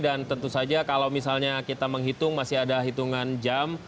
dan tentu saja kalau misalnya kita menghitung masih ada hitungan jam